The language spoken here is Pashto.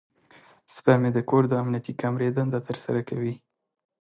سپی مې د کور د امنیتي کامرې دنده ترسره کوي.